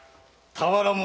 俵物？